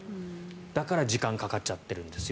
だから、時間がかかっちゃってるんですよ。